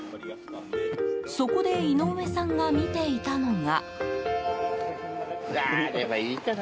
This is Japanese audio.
そこで井上さんが見ていたのが。